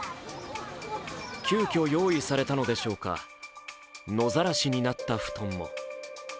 急きょ用意されたのでしょうか、野ざらしになった布団も。